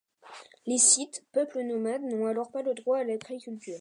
Les Scythes, peuple nomade, n'ont alors pas le droit à l'agriculture.